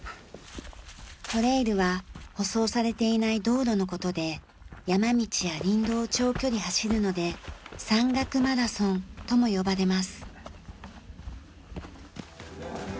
トレイルは舗装されていない道路の事で山道や林道を長距離走るので山岳マラソンとも呼ばれます。